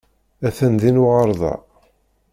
Atan din uɣerda.